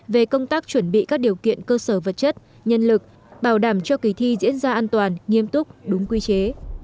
về công tác chuẩn bị các điều kiện cơ sở vật chất nhân lực bảo đảm cho kỳ thi diễn ra an toàn nghiêm túc đúng quy chế